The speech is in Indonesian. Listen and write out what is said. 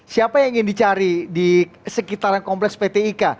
siapa yang ingin dicari di sekitaran kompleks pt ika